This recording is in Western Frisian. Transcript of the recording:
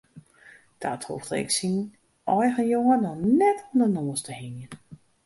Dat hoegde ik syn eigen jonge no net oan de noas te hingjen.